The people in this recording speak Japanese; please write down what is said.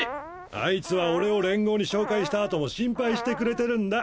あいつは俺を連合に紹介したあとも心配してくれてるんだ。